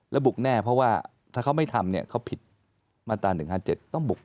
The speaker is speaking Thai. บุกแน่เพราะว่าถ้าเขาไม่ทำเนี่ยเขาผิดมาตรา๑๕๗ต้องบุก